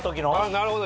なるほど！